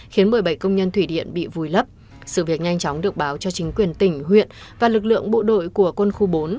khiến một mươi bảy công nhân thủy điện bị vùi lấp sự việc nhanh chóng được báo cho chính quyền tỉnh huyện và lực lượng bộ đội của quân khu bốn